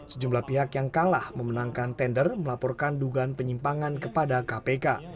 sejumlah pihak yang kalah memenangkan tender melaporkan dugaan penyimpangan kepada kpk